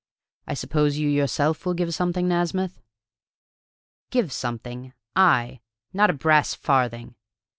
I suppose you yourself will give something, Nasmyth?" "Give something? I? Not a brass farthing!"